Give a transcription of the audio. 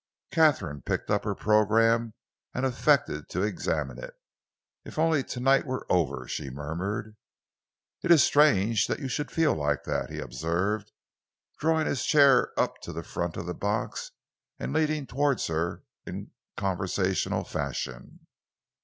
Katharine picked up her program and affected to examine it. "If only to night were over!" she murmured. "It is strange that you should feel like that," he observed, drawing his chair up to the front of the box and leaning towards her in conversational fashion.